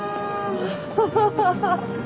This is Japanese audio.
ハハハハ。